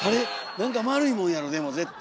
何か丸いもんやろでも絶対！